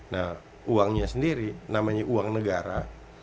nah uangnya sendiri namanya uang negara